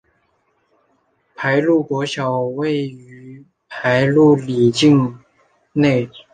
排路国小位于排路里境内。